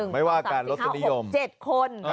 ไม่ว่าการลดสนิยม๑๒๓๔๕๖๗คน